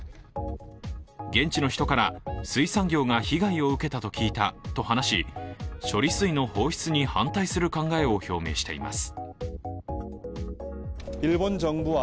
現地の人から、水産業が被害を受けたと聞いたと話し、処理水の放出に反対する考えを表明しています。